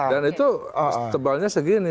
dan itu tebalnya segini